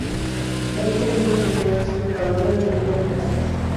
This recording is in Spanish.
Habitan en una sociedad explotadora dividida en castas.